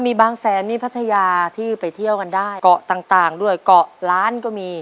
มีบางแสนมีพัทยาที่ไปเที่ยวกันได้เกาะต่างต่างด้วยเกาะล้านก็มี